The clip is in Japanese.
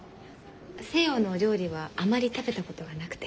西洋のお料理はあまり食べたことがなくて。